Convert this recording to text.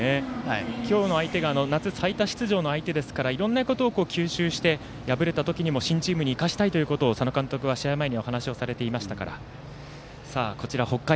今日の相手が夏、最多出場の相手ですからいろんなことを吸収して敗れた時にも新チームに生かしたいと、佐野監督はお話をされていました。